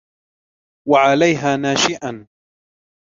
وَعَلَيْهَا نَاشِئًا